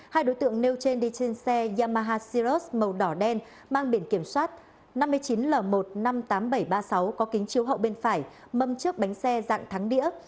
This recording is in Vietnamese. hai đối tượng nêu trên đi trên xe yamaha sirius màu đỏ đen mang biển kiểm soát năm mươi chín l một trăm năm mươi tám nghìn bảy trăm ba mươi sáu có kính chiếu hậu bên phải mâm trước bánh xe dạng thắng đĩa